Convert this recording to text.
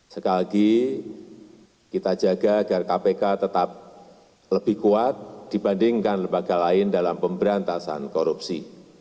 sekali lagi kita jaga agar kpk tetap lebih kuat dibandingkan lembaga lain dalam pemberantasan korupsi